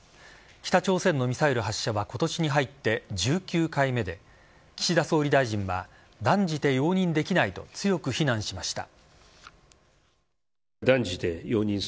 北朝鮮のミサイル発射は今年に入って１９回目で岸田総理大臣は断じて容認できないと強く非難しました。